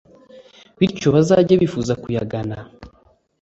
bityo bazajye bifuza kuyagana”